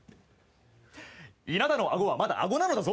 稲田のあごはまだあごなのだぞ！